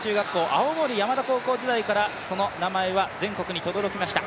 青森山田高校時代から、その名前は全国にとどろきました。